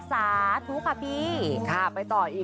สาธุครับพี่